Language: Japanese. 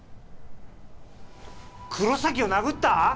黒崎を殴った？